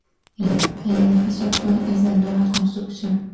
El edificio actual es de nueva construcción.